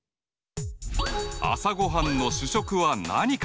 朝ごはんの主食は何か？